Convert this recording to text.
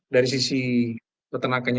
dari sisi peternakannya